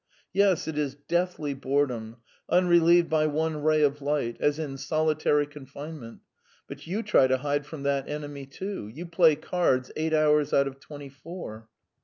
Yes, it is deathly boredom, unrelieved by one ray of light, as in solitary confinement; but you try to hide from that enemy, too, you play cards eight hours out of twenty four.